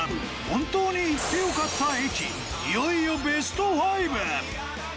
本当に行ってよかった駅いよいよベスト５。